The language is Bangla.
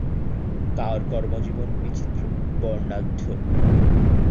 তাঁর কর্মজীবন বিচিত্র, বর্ণাঢ্য।